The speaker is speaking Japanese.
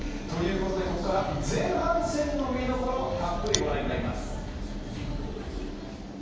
ということでこっから前半戦の見どころたっぷりご覧いただきます。